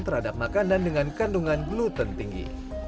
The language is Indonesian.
terhadap makanan dengan kandungan gluten tinggi